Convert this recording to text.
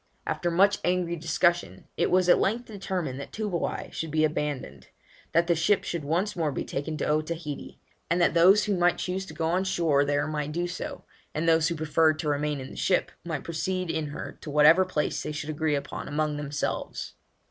After much angry discussion, it was at length determined that Toobouai should be abandoned; that the ship should once more be taken to Otaheite; and that those who might choose to go on shore there might do so, and those who preferred to remain in the ship might proceed in her to whatever place they should agree upon among themselves.